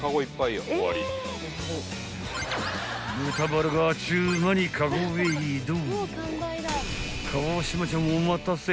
［豚バラがあっちゅう間にカゴへ移動］